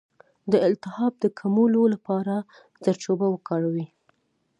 د التهاب د کمولو لپاره زردچوبه وکاروئ